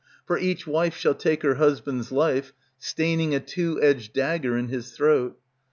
For each wife shall take her husband's life, Staining a two edged dagger in his throat.